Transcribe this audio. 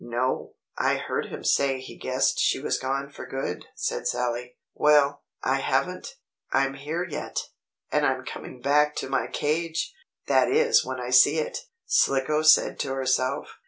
"No, I heard him say he guessed she was gone for good," said Sallie. "Well, I haven't I'm here yet, and I'm coming back to my cage that is when I see it," Slicko said to herself.